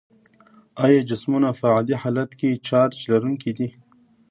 آیا جسمونه په عادي حالت کې چارج لرونکي دي؟